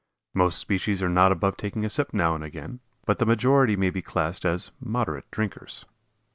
Most species are not above taking a sip now and again, but the majority may be classed as "moderate drinkers."